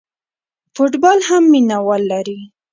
فوټبال هم مینه وال لري.